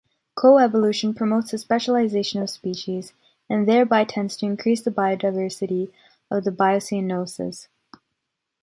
Coevolution promotes the specialization of species and thereby tends to increase the biodiversity of the Biocenoses.